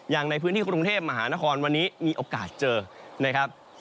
อย่างในพื้นที่กรุงเทพมหานครวันนี้มีโอกาสเจอนะครับ